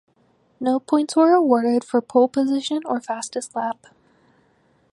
No points were awarded for pole position or fastest lap.